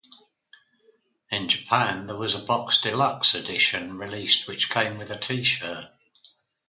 In Japan there was a box deluxe edition released which came with a t-shirt.